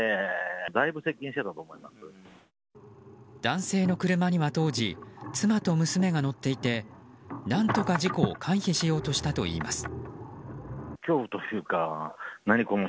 男性の車には当時妻と娘が乗っていて何とか事故を回避しようとしたといいます。